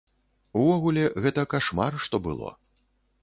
Увогуле, гэта кашмар, што было.